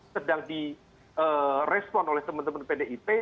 sedang direspon oleh teman teman pdip